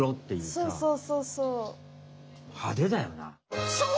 そうそうそうそう。